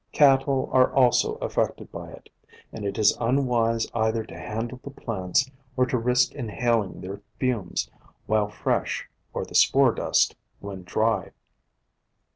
Cattle are also affected by it, and it is unwise either to handle the plants or to risk inhaling their fumes while fresh or the spore dust when dry.